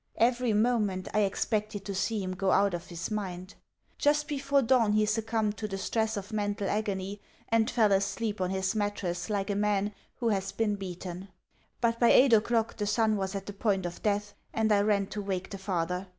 Every moment I expected to see him go out of his mind. Just before dawn he succumbed to the stress of mental agony, and fell asleep on his mattress like a man who has been beaten; but by eight o'clock the son was at the point of death, and I ran to wake the father.